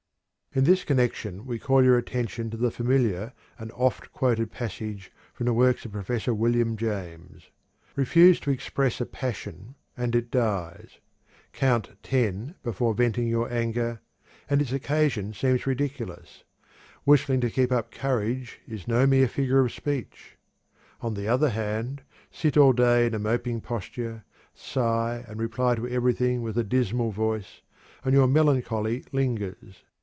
In this connection we call your attention to the familiar and oft quoted passage from the works of Prof. William James: "Refuse to express a passion and it dies. Count ten before venting your anger and its occasion seems ridiculous. Whistling to keep up courage is no mere figure of speech. On the other hand, sit all day in a moping posture, sigh and reply to everything with a dismal voice, and your melancholy lingers.